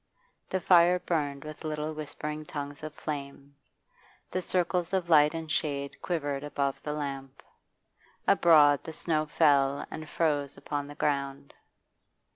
The fire burned with little whispering tongues of flame; the circles of light and shade quivered above the lamp. Abroad the snow fell and froze upon the ground.